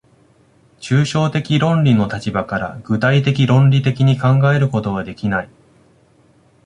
抽象的論理の立場から具体的論理的に考えることはできない。